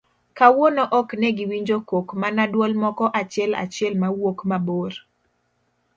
kawuono ok negiwinjo kok mana duol moko achiel achiel mawuok mabor